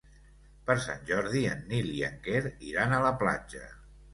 Per Sant Jordi en Nil i en Quer iran a la platja.